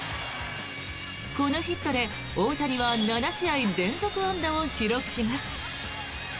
このヒットで大谷は７試合連続安打を記録します。